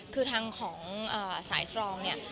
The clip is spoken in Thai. คือทางของสายสตรองเนี่ย